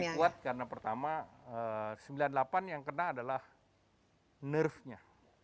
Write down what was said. kita lebih kuat karena pertama seribu sembilan ratus sembilan puluh delapan yang kena adalah nerfnya